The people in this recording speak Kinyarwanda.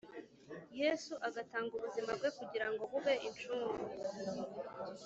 Yesu agatanga ubuzima bwe kugira ngo bube incungu